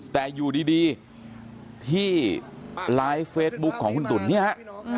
แต่อยู่ดีที่ไลฟ์เฟซบุ๊คของคุณตุ๋นเนี่ยฮะ